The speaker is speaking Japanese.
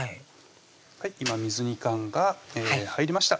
今水煮缶が入りました